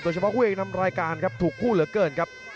เฉพาะคู่เอกนำรายการครับถูกคู่เหลือเกินครับ